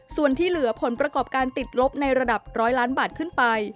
ส่วนที่เหลือผลประกอบการติดลบในระดับ๑๐๐ล้านบาทขึ้นไป